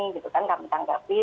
gitu kan kami tanggapi